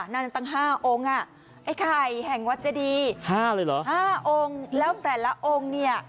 นั่นตั้ง๕องค์อ่ะไอ้ไข่แห่งวัดเจดีห้าเลยเหรอห้าองค์แล้วแต่ละองค์เนี่ย